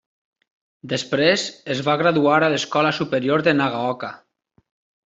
Després, es va graduar a l'Escola Superior de Nagaoka.